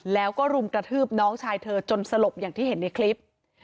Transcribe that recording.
แล้วก็รุมกระทืบน้องชายเธอจนสลบอย่างที่เห็นในคลิป